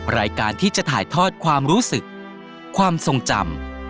รายการที่จะถ่ายทอดความรู้สึกความทรงจำ